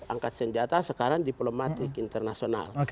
angkat senjata sekarang diplomatik internasional